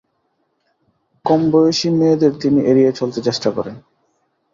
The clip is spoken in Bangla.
কমবয়েসী মেয়েদের তিনি এড়িয়ে চলতে চেষ্টা করেন।